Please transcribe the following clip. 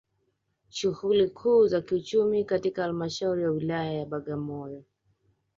Shughuli kuu za kiuchumi katika Halmashauri ya Wilaya ya Bagamoyo